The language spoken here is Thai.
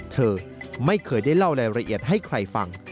เธอไม่เคยได้เล่ารายละเอียดให้ใครฟัง